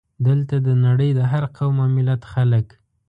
دلته د نړۍ د هر قوم او ملت خلک.